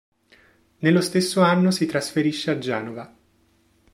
Nello stesso anno si trasferisce a Genova.